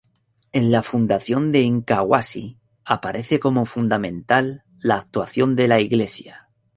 En la fundación de Incahuasi, aparece como fundamental la actuación de la iglesia.